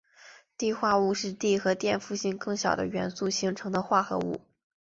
锑化物是锑和电负性更小的元素形成的化合物。